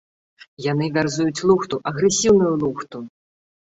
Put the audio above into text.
Яны вярзуць лухту, агрэсіўную лухту!